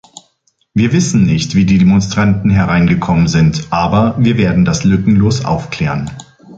Wir wissen nicht, wie die Demonstranten hereingekommen sind, aber wir werden das lückenlos aufklären.